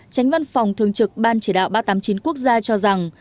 tránh văn phòng thường trực ban chỉ đạo ba trăm tám mươi chín quốc gia cho rằng